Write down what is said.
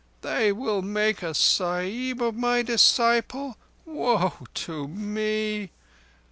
They will make a Sahib of my disciple? Woe to me!